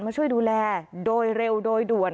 มาช่วยดูแลโดยเร็วโดยด่วน